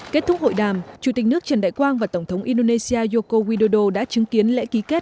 kết thúc hội đàm chủ tịch nước trần đại quang và tổng thống indonesia yoko widodo đã chứng kiến lễ ký kết